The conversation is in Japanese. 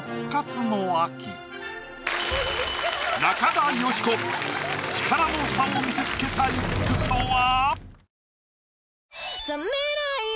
中田喜子力の差を見せつけた一句とは？